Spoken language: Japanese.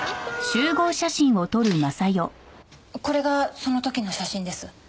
これがその時の写真です。